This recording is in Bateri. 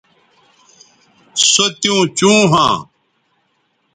سو تیوں چوں ھواں